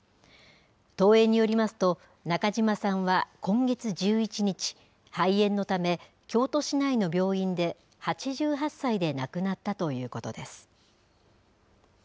東映によりますと中島さんは今月１１日肺炎のため京都市内の病院で８８歳で亡くなったということです。